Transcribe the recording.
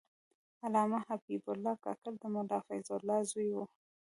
علامه حبیب الله کاکړ د ملا فیض الله زوی و.